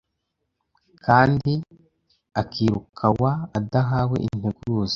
kandi akirukawa adahawe integuza.